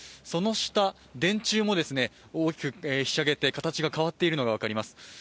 その下、電柱も大きくひしゃげて形が変わっているのが分かります。